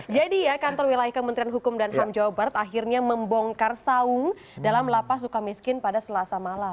jadi ya kantor wilayah kementerian hukum dan ham jawa barat akhirnya membongkar saung dalam lapas suka miskin pada selasa malam